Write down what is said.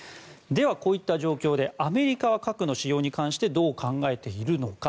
こういった状況でアメリカは核の使用に関してどう考えているのか。